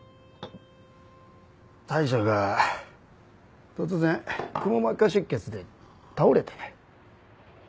大将が突然くも膜下出血で倒れてね。